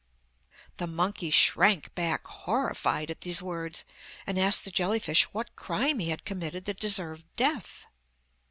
The monkey shrank back horrified at these words and asked the jelly fish what crime he had committed that deserved death.